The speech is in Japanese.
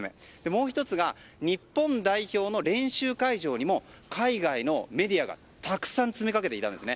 もう１つが日本代表の練習会場にも海外のメディアがたくさん詰めかけていたんです。